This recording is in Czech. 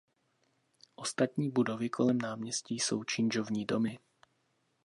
Ostatní budovy kolem náměstí jsou činžovní domy.